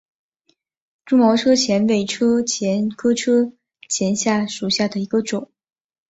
蛛毛车前为车前科车前属下的一个种。